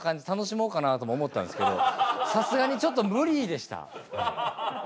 楽しもうかなとも思ったんですけどさすがにちょっと無理でした。